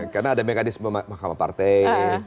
karena ada mekanisme mahkamah partai